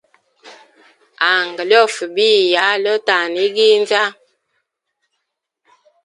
Anga liofa biya, lyotana iginza.